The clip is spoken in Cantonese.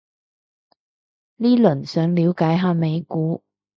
呢輪想了解下美股